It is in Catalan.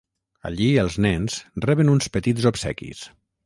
Allí els nens reben uns petits obsequis.